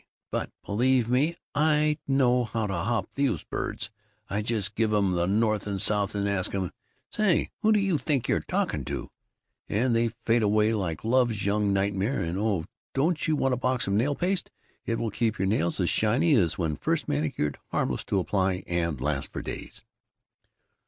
But, believe me, I know how to hop those birds! I just give um the north and south and ask um, 'Say, who do you think you're talking to?' and they fade away like love's young nightmare and oh, don't you want a box of nail paste? It will keep the nails as shiny as when first manicured, harmless to apply and lasts for days."